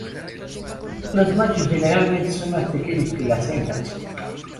Los machos generalmente son más pequeños que las hembras.